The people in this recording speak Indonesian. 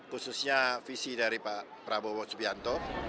khususnya visi dari pak prabowo subianto